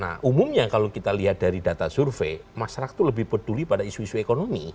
nah umumnya kalau kita lihat dari data survei masyarakat itu lebih peduli pada isu isu ekonomi